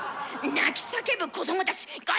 泣き叫ぶ子どもたち。